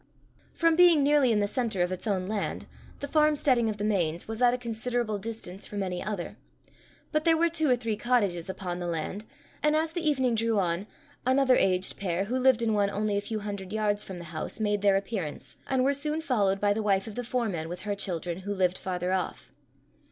From being nearly in the centre of its own land, the farm steading of the Mains was at a considerable distance from any other; but there were two or three cottages upon the land, and as the evening drew on, another aged pair, who lived in one only a few hundred yards from the house, made their appearance, and were soon followed by the wife of the foreman with her children, who lived farther off.